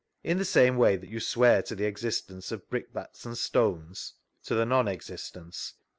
In the same way that you swear to the existence of brickbats and stones? — To the non existence.